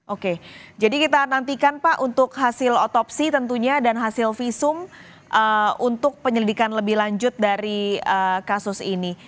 oke jadi kita nantikan pak untuk hasil otopsi tentunya dan hasil visum untuk penyelidikan lebih lanjut dari kasus ini